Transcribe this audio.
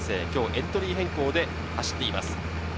今日、エントリー変更で走っています。